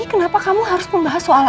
kenapa kamu harus membahas soal